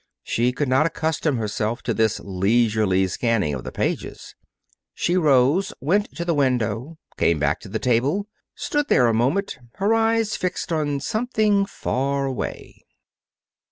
She could not accustom herself to this leisurely scanning of the pages. She rose, went to the window, came back to the table, stood there a moment, her eyes fixed on something far away.